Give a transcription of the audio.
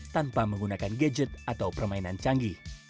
tanpa menggunakan gadget atau permainan canggih